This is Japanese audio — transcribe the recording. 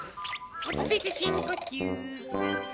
落ち着いて深呼吸。